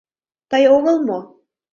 Тый огыл мо?